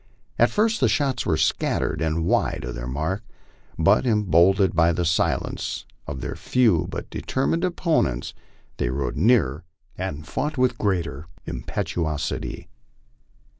At first the shots were scattering and wide of their mark ; but, emboldened by the Bitance of their few but determined opponents, they rode nearer and fought MY LIFE ON THE PLAINS. 67 with greater impetuosity.